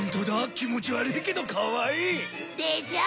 気持ち悪いけどかわいい。でしょ！